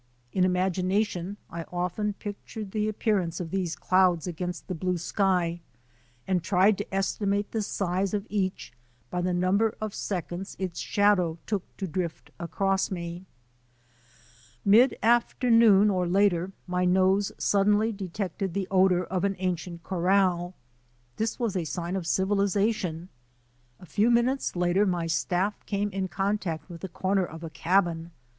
In imagination I often pictured the appearance of these clouds against the blue sky and tried to esti mate the size of each by the number of seconds its shadow took to drift across me. Mid afternoon, or later, my nose suddenly de tected the odour of an ancient corral. This was a sign of civilization. A few minutes later my staff came in contact with the corner of a cabin.